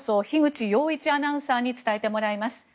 樋口陽一アナウンサーに伝えてもらいます。